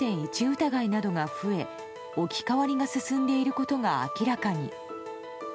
疑いなどが増え置き換わりが進んでいることが明らかに。